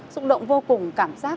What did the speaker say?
chúc động vô cùng cảm giác